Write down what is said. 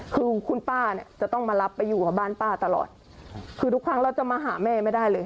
คือคุณป้าเนี่ยจะต้องมารับไปอยู่กับบ้านป้าตลอดคือทุกครั้งเราจะมาหาแม่ไม่ได้เลย